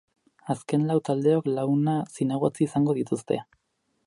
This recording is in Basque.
Azken lau taldeok launa zinegotzi izango dituzte.